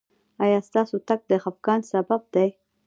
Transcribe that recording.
ایا ستاسو تګ د خفګان سبب دی؟